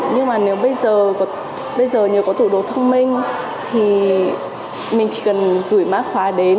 nhưng mà nếu bây giờ có tủ đồ thông minh thì mình chỉ cần gửi má khóa đến